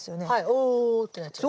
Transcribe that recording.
Ｏってなっちゃう。